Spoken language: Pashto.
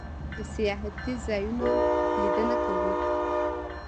د سیاحتی ځایونو لیدنه کوئ؟